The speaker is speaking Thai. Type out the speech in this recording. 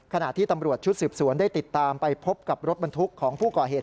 ขณะที่ตำรวจชุดสืบสวนได้ติดตามไปพบกับรถบรรทุกของผู้ก่อเหตุ